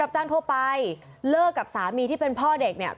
เจอกับสามีที่เป็นพ่อเด็ก